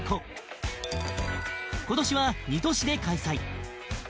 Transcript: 今年は２都市で開催